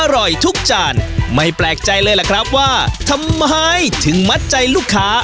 อร่อยทุกจานไม่แปลกใจเลยล่ะครับว่าทำไมถึงมัดใจลูกค้า